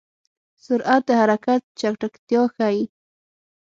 سرعت د حرکت چټکتیا ښيي.